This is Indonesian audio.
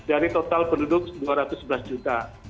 dari total penduduk dua ratus sebelas juta